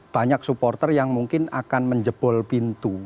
banyak supporter yang mungkin akan menjebol pintu